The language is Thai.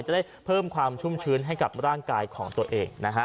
จะได้เพิ่มความชุ่มชื้นให้กับร่างกายของตัวเองนะฮะ